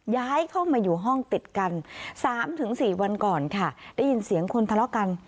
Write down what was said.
ย้ายเข้ามาอยู่ห้องติดกัน๓๔วันก่อนค่ะได้ยินเสียงคนทะเลาะกัน